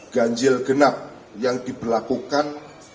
ganjil genap yang diberlakukan